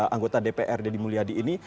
anggota dpr deddy mulyadi ini